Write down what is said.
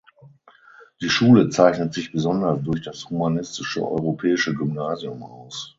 Die Schule zeichnet sich besonders durch das humanistische europäische Gymnasium aus.